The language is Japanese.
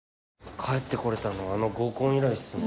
帰って来れたのあの合コン以来っすね。